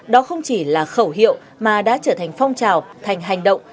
đó không chỉ là khẩu hiệu mà đã trở thành phong trào thành hành động